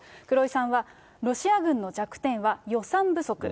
黒井さんは、ロシア軍の弱点は予算不足。